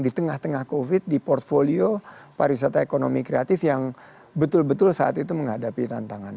di tengah tengah covid di portfolio pariwisata ekonomi kreatif yang betul betul saat itu menghadapi tantangan